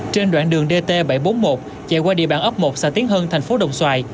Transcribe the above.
trên đoạn đường dt bảy trăm bốn mươi một chạy qua địa bàn ấp một xã tiến hưng thành phố đồng xoài